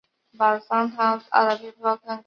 湖北财经学院工业经济专业毕业。